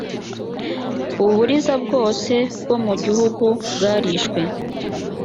uburiza bwose bwo mu gihugu bwarishwe